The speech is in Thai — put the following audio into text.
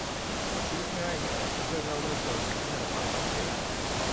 ชีวิตง่ายงาม เลิกเหล้าเลิกจน ศีลธรรมบรรเจิด